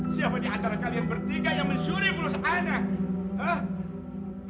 siapa di antara kalian bertiga yang mensyuri pelusa anak